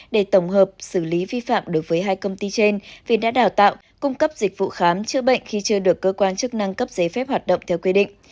để tổng hợp xử lý vi phạm đối với hai công ty trên vì đã đào tạo cung cấp dịch vụ khám chữa bệnh khi chưa được cơ quan chức năng cấp giấy phép hoạt động theo quy định